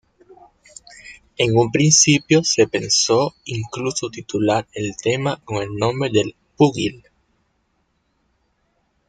En un principio se pensó incluso titular el tema con el nombre del púgil.